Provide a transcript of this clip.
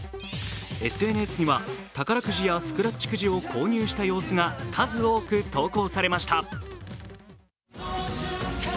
ＳＮＳには宝くじやスクラッチくじを購入した様子が数多く投稿されました。